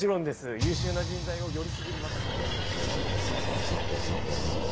優秀な人材をよりすぐります。